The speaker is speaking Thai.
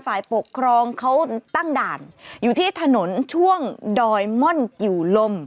ฝ่ายปกครองเขาตั้งด่านอยู่ที่ถนนช่วงดอยม่อนกิวลม